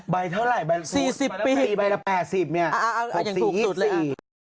ใบเท่าไหร่ใบละ๘๐เนี่ย๖๔๒๔อ่ะอ่าอ่าอย่างถูกสุดเลย